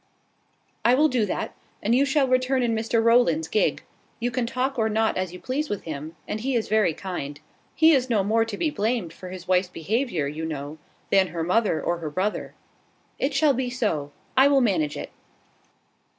"I will do that; and you shall return in Mr Rowland's gig. You can talk or not as you please with him; and he is very kind. He is no more to be blamed for his wife's behaviour, you know, than her mother or her brother. It shall be so. I will manage it."